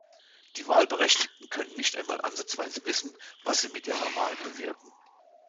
Die Wahlberechtigten können nicht einmal ansatzweise wissen, was sie mit ihrer Wahl bewirken.